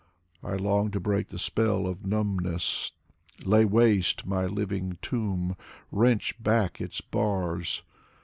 I longed to break the spell of numbness — Lay waste my living tomb, wrench back its bars.